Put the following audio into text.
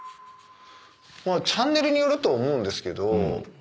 チャンネルによると思うんですけど。